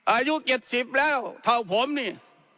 อายุ๗๐แล้วเท่าผมนี่